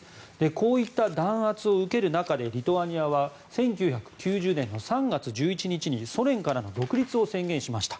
こういった弾圧を受ける中でリトアニアは１９９０年３月１１日にソ連からの独立を宣言しました。